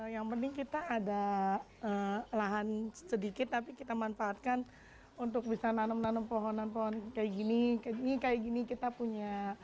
yang penting kita ada lahan sedikit tapi kita manfaatkan untuk bisa nanam nanam pohonan pohon kayak gini kayak gini kayak gini kita punya